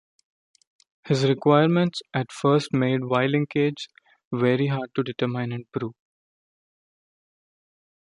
His requirements at first made Y-linkage very hard to determine and prove.